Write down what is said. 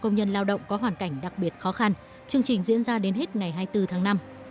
công nhân lao động có hoàn cảnh đặc biệt khó khăn chương trình diễn ra đến hết ngày hai mươi bốn tháng năm